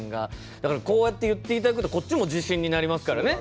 だからこうやって言っていただくとこっちも自信になりますからね。